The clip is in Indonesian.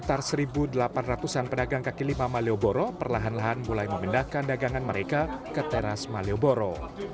sekitar satu delapan ratus an pedagang kaki lima malioboro perlahan lahan mulai memindahkan dagangan mereka ke teras malioboro